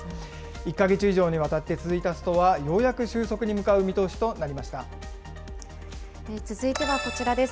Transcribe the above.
１か月以上にわたって続いたストはようやく収束に向かう見通しと続いてはこちらです。